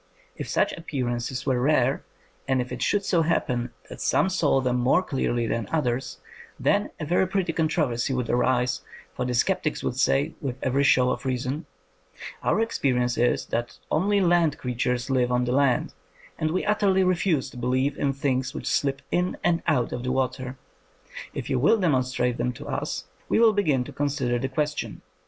If such appearances were rare, and if it should so happen that some saw them more clearly than others, then a very pretty controversy would arise, for the sceptics would say, with every show of reason, Our experience is that only land creatures live on the land, and we utterly refuse to believe in things which slip in and out of the water; if you will demonstrate them to us we will begin to consider the question.''